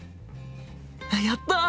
やった！